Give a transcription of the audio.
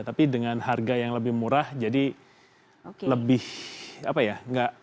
tapi dengan harga yang lebih murah jadi lebih apa ya